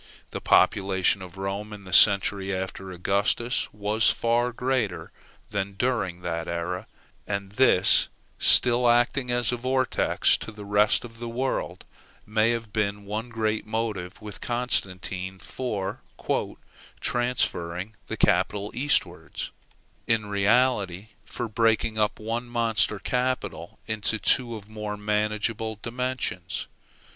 The population of Rome in the century after Augustus, was far greater than during that era; and this, still acting as a vortex to the rest of the world, may have been one great motive with Constantine for "transferring" the capital eastwards; in reality, for breaking up one monster capital into two of more manageable dimensions.